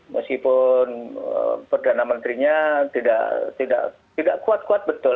meskipun perdana menterinya tidak kuat kuat betul